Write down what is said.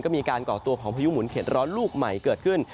ก็มีการก่อตัวของพายุหมุนเข็ดร้อนลูกใหม่เกิดขึ้น